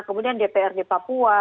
kemudian dprd papua